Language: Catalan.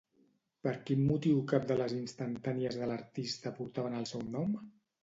Per quin motiu cap de les instantànies de l'artista portaren el seu nom?